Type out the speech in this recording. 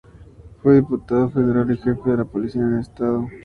Fue diputado federal y jefe de la policía en el estado.